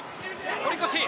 堀越。